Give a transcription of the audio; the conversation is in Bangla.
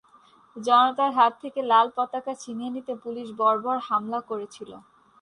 জনতার হাত থেকে লাল পতাকা ছিনিয়ে নিতে পুলিশ বর্বর হামলা করেছিলো।